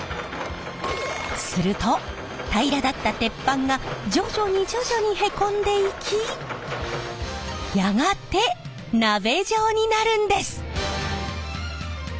すると平らだった鉄板が徐々に徐々にへこんでいきやがて鍋状になるんです！